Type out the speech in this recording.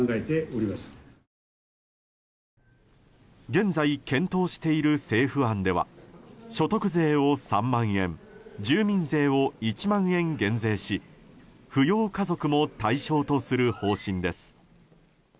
現在、検討している政府案では所得税を３万円住民税を１万円減税し扶養家族も対象とする方針です。